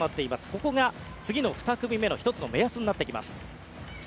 ここが次の２組目の１つの目安になってきます。